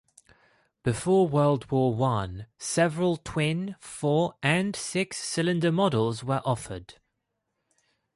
Before World War One, several twin, four and six-cylinder models were offered.